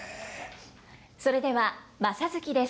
それでは「正月」です。